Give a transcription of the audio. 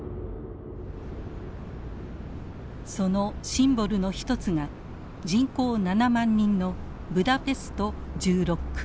そのシンボルの一つが人口７万人のブダペスト１６区。